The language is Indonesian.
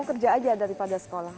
kerja aja daripada sekolah